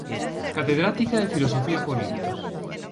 Catedrática de Filosofía Política.